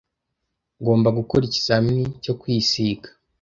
Ngomba gukora ikizamini cyo kwisiga.